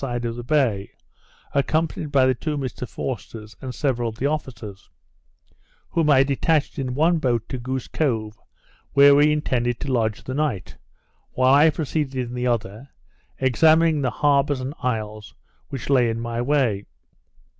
side of the bay, accompanied by the two Mr Forsters and several of the officers, whom I detached in one boat to Goose Cove, where we intended to lodge the night, while I proceeded in the other, examining the harbours and isles which lay in my way.